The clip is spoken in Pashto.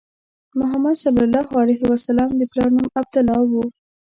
محمد صلی الله علیه وسلم د پلار نوم عبدالله و.